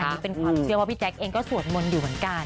นี่เป็นความเชื่อว่าพี่แจ๊คเองก็สวดมนต์อยู่เหมือนกัน